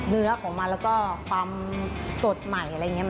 เนื้อของมันแล้วก็ความสดใหม่อะไรอย่างนี้